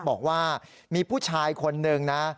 บอกว่ามีผู้ชายคนหนึ่งนะ